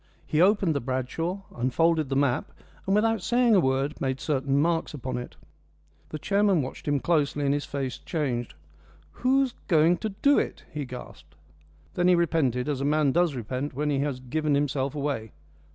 He opened the Bradshaw, unfolded the map, and, without saying a word, made certain marks upon it. The chairman watched him closely, and his face changed. "Who's going to do it?" he gasped. Then he repented, as a man does repent when he has given himself away.